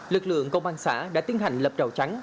lực lượng công an xã đã tiến hành lập rào trắng